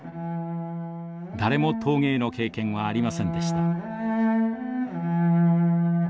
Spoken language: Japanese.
誰も陶芸の経験はありませんでした。